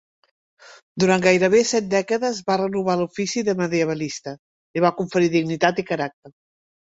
Durant gairebé set dècades va renovar l'ofici de medievalista, i va conferir dignitat i caràcter.